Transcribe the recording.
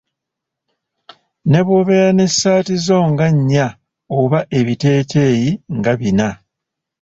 Ne bw'obeera n'essaati zo nga nnya oba ebiteeteeyi nga bina.